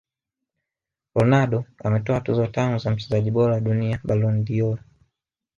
Ronaldo ametwaa tuzo tano za mchezaji bora wa dunia Ballon dOr